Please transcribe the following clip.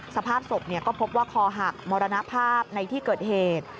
สภาพศพก็พบว่าคอหักมรณภาพในที่เกิดเหตุ